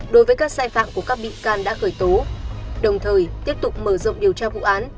đối với các sai phạm của các bị can đã khởi tố đồng thời tiếp tục mở rộng điều tra vụ án